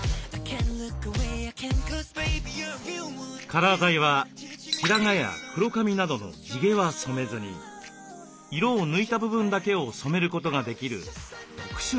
カラー剤は白髪や黒髪などの地毛は染めずに色を抜いた部分だけを染めることができる特殊なものです。